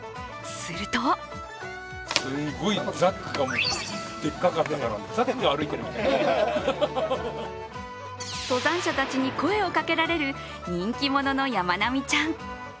すると登山者たちに声をかけられる人気者のやまなみちゃん。